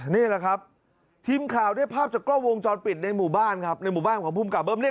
นี้แหละครับทิมข่าวได้ภาพจากกรอบวงจรปิดในหมู่บ้านของภูมิกับเบิ้ม